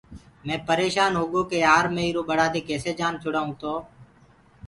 مي پريشآنٚ هوگو ڪي يآر مي ايٚرو ٻڙآ دي ڪيسي جآن ڇُڙآئونٚ تو